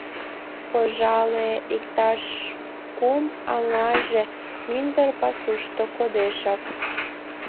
— Пожале, иктаж кум аҥаже мӱндыр пасушто кодешак.